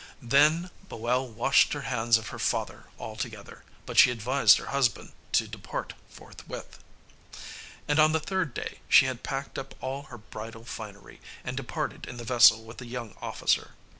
Then Boel washed her hands of her father altogether, but she advised her husband to depart forthwith. And on the third day she had packed up all her bridal finery, and departed in the vessel with the young officer.